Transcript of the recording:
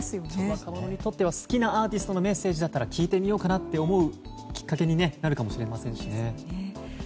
若者にとっては好きなアーティストのメッセージだったら聞こうと思うきっかけになるかもしれませんしね。